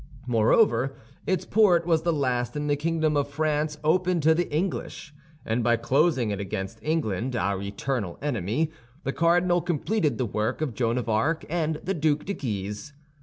Moreover, its port was the last in the kingdom of France open to the English, and by closing it against England, our eternal enemy, the cardinal completed the work of Joan of Arc and the Duc de Guise.